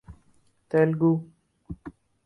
Telugu